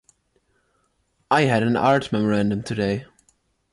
I had an art memorandum today.